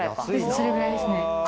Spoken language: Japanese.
それぐらいですね。